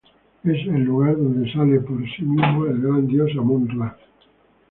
Es el lugar de donde sale por sí mismo el gran dios Amón-Ra.